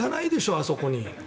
あそこに。